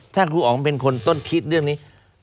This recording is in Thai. ถ้าครูอ๋องเป็นคนต้นคิดเรื่องนี้